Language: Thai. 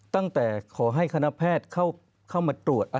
ตั้งแต่ขอให้คณะแพทย์เข้ามาตรวจ